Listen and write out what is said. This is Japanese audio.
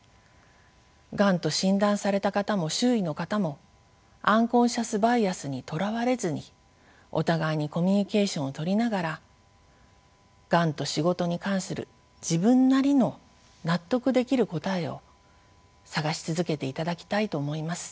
がんと診断された方も周囲の方もアンコンシャスバイアスにとらわれずにお互いにコミュニケーションをとりながらがんと仕事に関する自分なりの納得できる答えを探し続けていただきたいと思います。